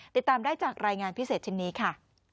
ติดตามได้จากรายงานพิเศษชิ้นนี้ค่ะ